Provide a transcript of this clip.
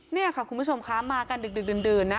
นี่ค่ะคุณผู้ชมคะมากันดึกดื่นนะ